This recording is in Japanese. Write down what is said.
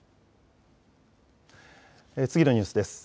次のニュースです。